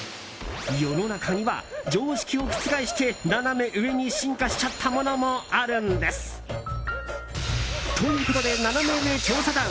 世の中には常識を覆してナナメ上に進化しちゃったものもあるんです。ということで、ナナメ上調査団